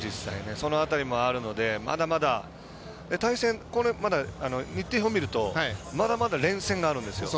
その辺りもあるのでまだまだ、対戦、日程表見るとまだまだ連戦があるんですよ。